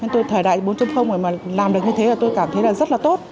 thời đại bốn mà làm được như thế tôi cảm thấy rất là tốt